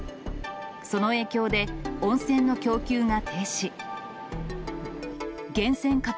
その影響で、温泉の供給が停止。